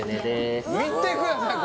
見てください